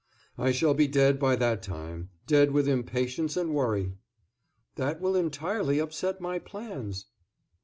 "I shall be dead by that time, dead with impatience and worry." "That will entirely upset my plans."